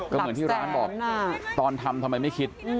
ก็เหมือนที่ร้านบอกตอนทำทำไมไม่คิด